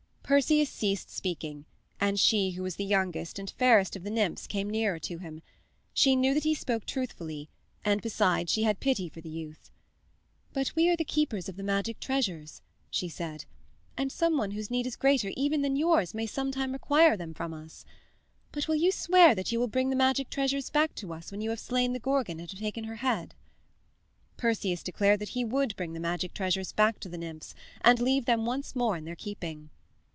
Perseus ceased speaking, and she who was the youngest and fairest of the nymphs came nearer to him. She knew that he spoke truthfully, and besides she had pity for the youth. "But we are the keepers of the magic treasures," she said, "and some one whose need is greater even than yours may some time require them from us. But will you swear that you will bring the magic treasures back to us when you have slain the Gorgon and have taken her head?" Perseus declared that he would bring the magic treasures back to the nymphs and leave them once more in their keeping.